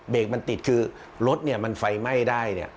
เบรกมันติดคือรถมันไฟไหม้ได้